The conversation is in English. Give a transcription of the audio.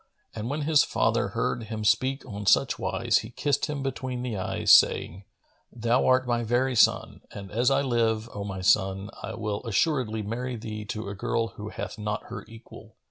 And when his father heard him speak on such wise, he kissed him between the eyes, saying, "Thou art my very son, and as I live, O my son, I will assuredly marry thee to a girl who hath not her equal!"